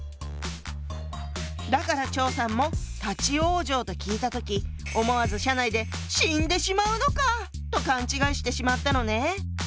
だから趙さんも「立往生」と聞いた時思わず車内で死んでしまうのか⁉と勘違いしてしまったのね。